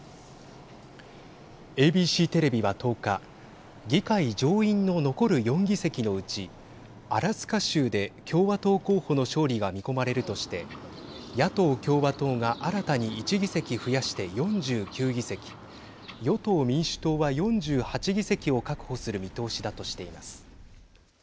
ＡＢＣテレビは１０日議会上院の残る４議席のうちアラスカ州で共和党候補の勝利が見込まれるとして野党・共和党が新たに１議席増やして４９議席与党・民主党は４８議席を確保する見通しだとしています。